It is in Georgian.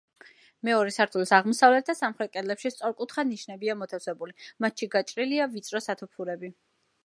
მეორე სართულის აღმოსავლეთ და სამხრეთ კედლებში სწორკუთხა ნიშებია მოთავსებული, მათში გაჭრილია ვიწრო სათოფურები.